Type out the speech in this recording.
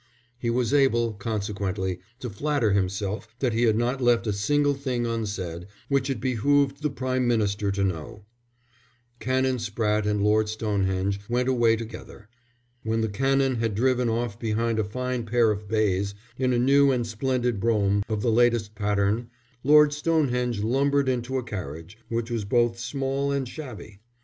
He was able, consequently, to flatter himself that he had not left a single thing unsaid which it behoved the Prime Minister to know. Canon Spratte and Lord Stonehenge went away together. When the Canon had driven off behind a fine pair of bays, in a new and splendid brougham of the latest pattern, Lord Stonehenge lumbered into a carriage, which was both small and shabby.